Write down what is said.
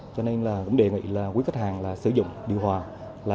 cho nên cũng đề nghị quý khách hàng sử dụng điều hòa